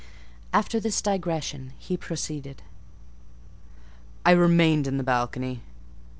After this digression he proceeded— "I remained in the balcony.